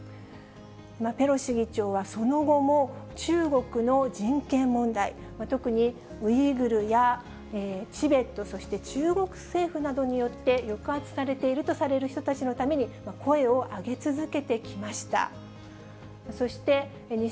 ペロシ議長はその後も中国の人権問題、特にウイグルやチベット、そして中国政府などによって抑圧されているとされる人たちのために声を上げ続けてきました。